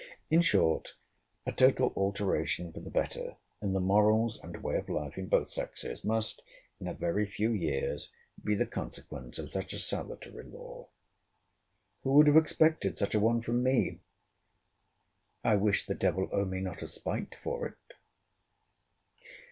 In short, a total alteration for the better, in the morals and way of life in both sexes, must, in a very few years, be the consequence of such a salutary law. Who would have expected such a one from me! I wish the devil owe me not a spite for it.